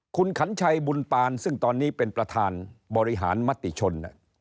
คุณขัญชัยบุญปานซึ่งตอนนี้เป็นประธานบริหารมติชน